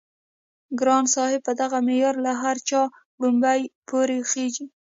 ګران صاحب په دغه معيار له هر چا وړومبی پوره خيژي